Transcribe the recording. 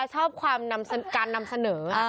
ชอบการนำเสนอ